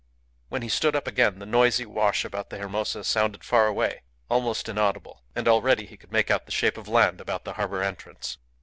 When he stood up again the noisy wash about the Hermosa sounded far away, almost inaudible; and already he could make out the shape of land about the harbour entrance.